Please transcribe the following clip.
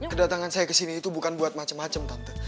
kedatangan saya kesini itu bukan buat macem macem tante